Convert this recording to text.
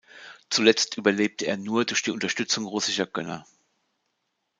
Zuletzt überlebte er nur durch die Unterstützung russischer Gönner.